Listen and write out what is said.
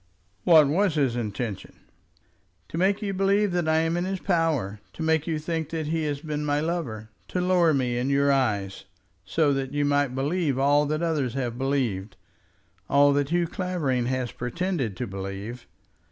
"What was his intention?" "To make you believe that I am in his power; to make you think that he has been my lover; to lower me in your eyes, so that you might believe all that others have believed, all that Hugh Clavering has pretended to believe.